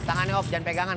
tangan op jangan pegangan